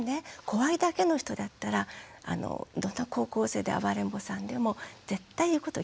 怖いだけの人だったらどんな高校生で暴れん坊さんでも絶対言うことを聞きません。